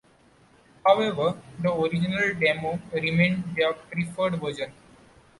However, the original demo remained their preferred version.